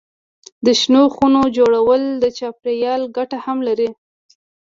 د شنو خونو جوړول د چاپېریال ګټه هم لري.